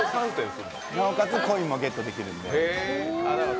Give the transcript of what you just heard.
なおかつコインもゲットできるという。